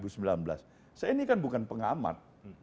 saya ini kan bukan pengamat